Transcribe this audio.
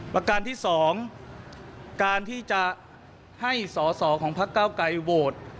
ประการที่๒การที่จะให้สอสอของพักเก้าไกรโหวต